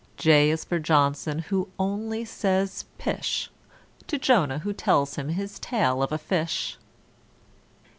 =J= is for =J=ohnson, who only says "Pish!" To =J=onah, who tells him his tale of a fish.